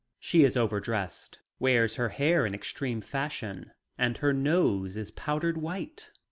She is overdressed, wears her hair in extreme fashion and her nose is powdered white.